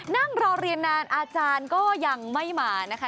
นั่งรอเรียนนานอาจารย์ก็ยังไม่มานะคะ